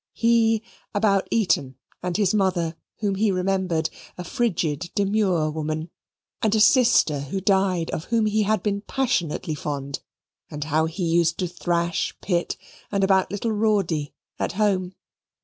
He about Eton, and his mother, whom he remembered, a frigid demure woman, and a sister who died, of whom he had been passionately fond; and how he used to thrash Pitt; and about little Rawdy at home.